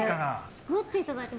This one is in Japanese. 持っていただいて。